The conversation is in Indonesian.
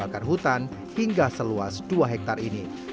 kedua kebakaran hutan hingga seluas dua hektare ini